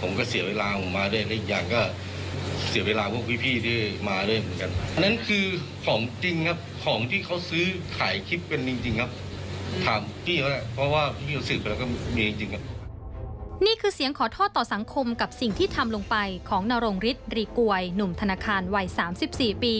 นี่คือเสียงขอโทษต่อสังคมกับสิ่งที่ทำลงไปของนรงฤทธิรีกวยหนุ่มธนาคารวัย๓๔ปี